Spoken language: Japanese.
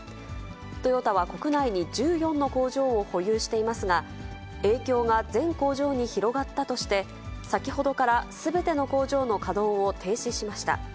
トヨタは国内に１４の工場を保有していますが、影響が全工場に広がったとして、先ほどからすべての工場の稼働を停止しました。